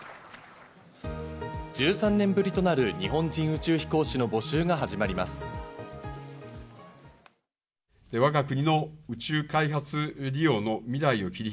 １３年ぶりとなる日本人宇宙飛行士の募集が始まりました。